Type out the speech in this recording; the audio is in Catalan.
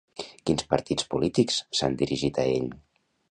Quins partits polítics s'han dirigit a ell?